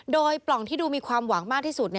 โดยปล่องที่ดูมีความหวังมากที่สุด